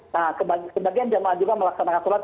sebagian jemaah juga melaksanakan solat